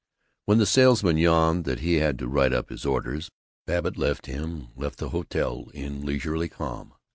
When the salesman yawned that he had to write up his orders, Babbitt left him, left the hotel, in leisurely calm.